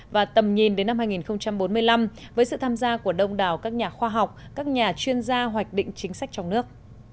và tầm nhìn đến năm hai nghìn bốn mươi năm với sự tham gia của đông đảo các nhà khoa học các nhà chuyên gia hoạch định chính sách trong nước